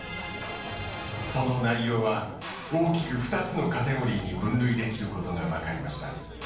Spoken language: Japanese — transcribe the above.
その内容は、大きく２つのカテゴリーに分類できることが分かりました。